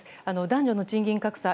男女の賃金格差。